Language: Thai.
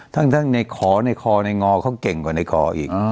ทั้งในขอในคอในงอเขาเก่งกว่าในคออีก